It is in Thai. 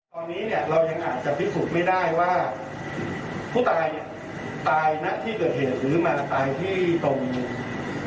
ตอนนี้เนี่ยเรายังอาจจะพิสูจน์ไม่ได้ว่า